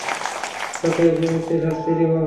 তোকে একদিন নিশ্চয়ই শাস্তি দিব।